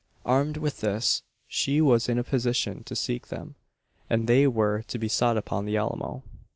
Armed with this, she was in a position to seek them; and they were to be sought upon the Alamo.